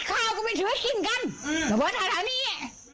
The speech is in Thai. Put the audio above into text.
ข่าวก็ไม่ช่วยกินกันน้องเบิร์ดถ่ายนี่